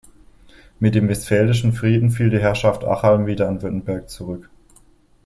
Mit dem Westfälischen Frieden fiel die Herrschaft Achalm wieder an Württemberg zurück.